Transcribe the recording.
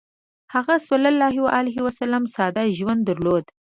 هغه ﷺ ساده ژوند درلود.